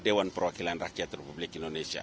dewan perwakilan rakyat republik indonesia